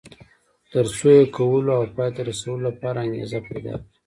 تر څو یې کولو او پای ته رسولو لپاره انګېزه پيدا کړي.